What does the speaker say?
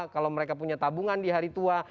kalau mereka punya tabungan di hari tua